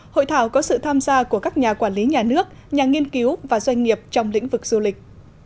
hội thảo có sự tham gia của các nhà quản lý nhà nước nhà nghiên cứu và doanh nghiệp trong lĩnh vực du lịch